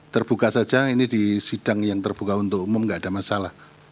terbuka saja ini di sidang yang terbuka untuk umum nggak ada masalah